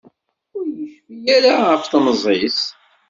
Ur yecfi ara ɣef temẓi-s.